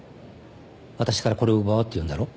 私からこれを奪おうというんだろ？